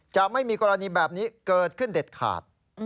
จะไม่มีกรณีแบบนี้เกิดขึ้นเด็ดขาด